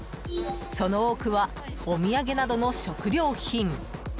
その多くはお土産などの食料品。